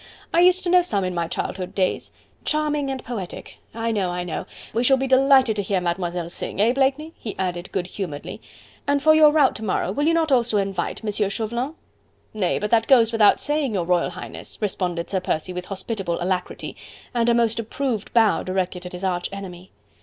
"I used to know some in my childhood days. Charming and poetic.... I know.... I know.... We shall be delighted to hear Mademoiselle sing, eh, Blakeney?" he added good humouredly, "and for your rout to morrow will you not also invite M. Chauvelin?" "Nay! but that goes without saying, your Royal Highness," responded Sir Percy, with hospitable alacrity and a most approved bow directed at his arch enemy.